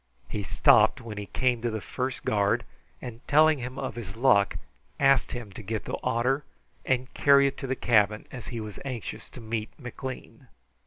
He stopped when he came to the first guard, and telling him of his luck, asked him to get the otter and carry it to the cabin, as he was anxious to meet McLean.